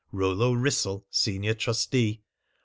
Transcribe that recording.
Rollo Wrissell, Senior Trustee.